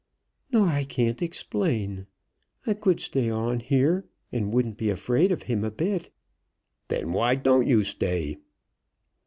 "Nor I can't explain. I could stay on here, and wouldn't be afraid of him a bit." "Then why don't you stay?"